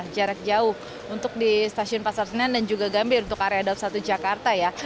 jarak jauh untuk di stasiun pasar senen dan juga gambir untuk area daup satu jakarta ya